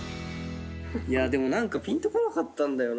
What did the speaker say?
いやでも何かピンと来なかったんだよな。